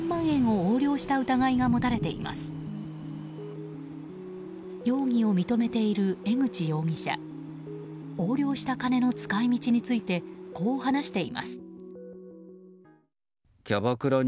横領した金の使い道についてこう話しています。